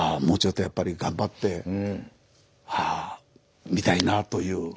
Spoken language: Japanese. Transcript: もうちょっとやっぱり頑張ってああみたいなぁという。